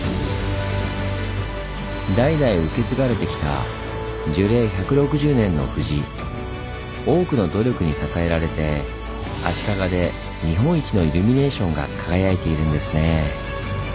代々受け継がれてきた多くの努力に支えられて足利で日本一のイルミネーションが輝いているんですねぇ。